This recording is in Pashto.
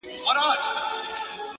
علم د انسان ځواک زیاتوي.!